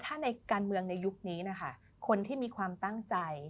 ถ้าในการเมืองในยุคนี้นะคะคนที่มีความตั้งใจ